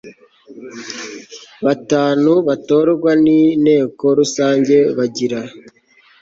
batanu batorwa n inteko rusange Bagira